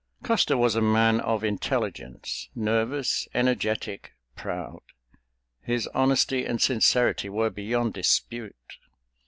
Custer was a man of intelligence—nervous, energetic, proud. His honesty and sincerity were beyond dispute.